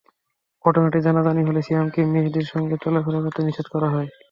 ঘটনাটি জানাজানি হলে সিয়ামকে মেহেদীর সঙ্গে চলাফেরা করতে নিষেধ করা হয়।